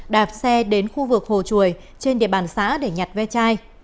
đạp xe đến khu vực hồ chuồi trên địa bàn xã để nhặt ve chai